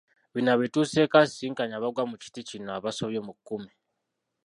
Bino abituuseeko asisinkanye abagwa mu kiti kino abasobye mu kkumi.